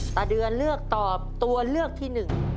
ตดเนินเลือกตอบตัวเลือกที่๑